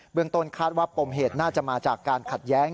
เมืองต้นคาดว่าปมเหตุน่าจะมาจากการขัดแย้ง